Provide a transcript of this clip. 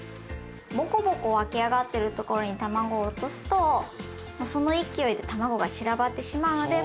ぼこぼこ湧き上がっているところにたまごを落とすとその勢いでたまごが散らばってしまうので。